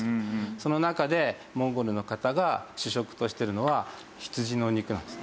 その中でモンゴルの方が主食としてるのは羊の肉なんですね。